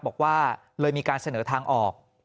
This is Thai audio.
บอกว่าเลยมีการเสนอทางออก